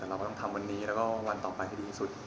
แต่เราก็ต้องทำวันนี้แล้วก็วันต่อไปให้ดีที่สุด